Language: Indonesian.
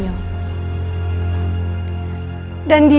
di yang lalui